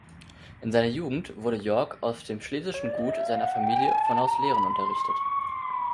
In seiner Jugend wurde Yorck auf dem schlesischen Gut seiner Familie von Hauslehrern unterrichtet.